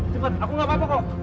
tidak aku tidak akan menang